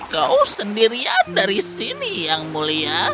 kau sendirian dari sini yang mulia